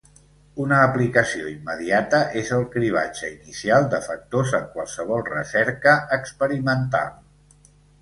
Una aplicació immediata és el cribratge inicial de factors en qualsevol recerca experimental.